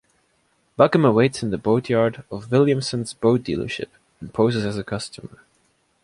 Bucum awaits in the boatyard of Williamson's boat dealership and poses as a customer.